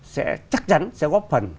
sẽ chắc chắn sẽ góp phần